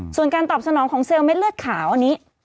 ส่วนการตอบสนองของเซลลเม็ดเลือดขาวอันนี้